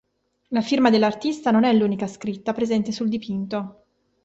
La firma dell'artista non è l'unica scritta presente sul dipinto.